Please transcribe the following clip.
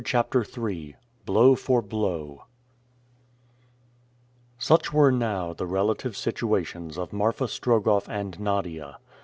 CHAPTER III BLOW FOR BLOW SUCH were now the relative situations of Marfa Strogoff and Nadia.